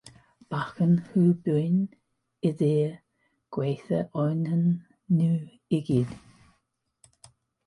Bachgen Hugh Bryan ydi'r gwaetha ohonyn nhw i gyd.